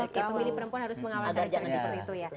oke pemilih perempuan harus mengawal cara cara seperti itu ya